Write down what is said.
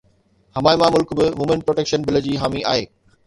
حمائمه ملڪ به women protection bill جي حامي آهي